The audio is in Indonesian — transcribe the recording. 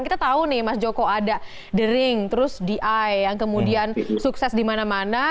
kita tahu nih mas joko ada the ring terus the eye yang kemudian sukses di mana mana